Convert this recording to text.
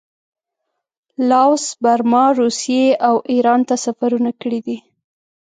لاوس، برما، روسیې او ایران ته سفرونه کړي دي.